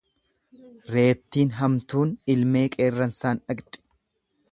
Reettiin hamtuun ilmee qeerransaan dhaqxi.